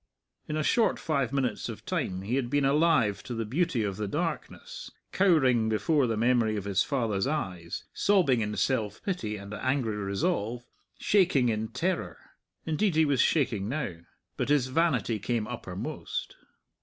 In a short five minutes of time he had been alive to the beauty of the darkness, cowering before the memory of his father's eyes, sobbing in self pity and angry resolve, shaking in terror indeed he was shaking now. But his vanity came uppermost.